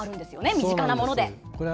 身近なもので。